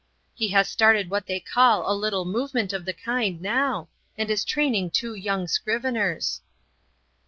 He has started what they call a little movement of the kind now, and is training two young scriveners."